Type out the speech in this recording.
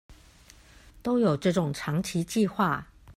都有這種長期計畫